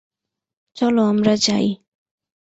চলো আমরা যাই।